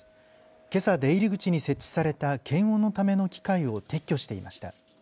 けさ出入り口に設置された検温のための機械を撤去していました。